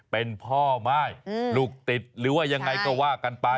เป็นพ่อม่ายลูกติดหรือว่ายังไงก็ว่ากันไป